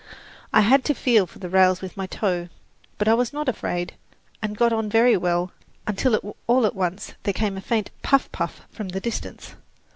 I had to feel for the rails with my toe; but I was not afraid, and got on very well, until all at once there came a faint "puff, puff" from the distance.